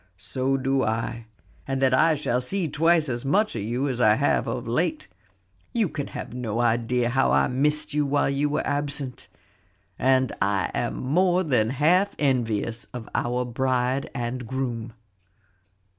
"So do I, and that I shall see twice as much of you as I have of late. You can have no idea how I missed you while you were absent. And I am more than half envious of our bride and groom.